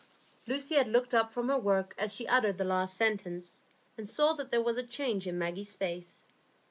Lucy had looked up from her work as she uttered the last sentence, and saw that there was a change in Maggie's face.